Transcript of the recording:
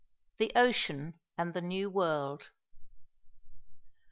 THE OCEAN AND THE NEW WORLD.